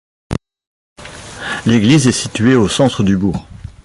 L'église est située au centre du bourg.